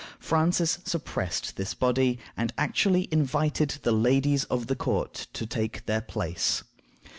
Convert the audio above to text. Francis suppressed this body, and actually invited the ladies of the court to take their place.